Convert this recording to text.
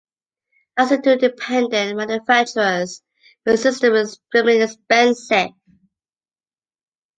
Licensing to independent manufacturers made the system extremely expensive.